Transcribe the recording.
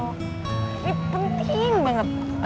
ini penting banget oke